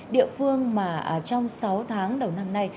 địa phương mà trong sáu tháng đầu năm nay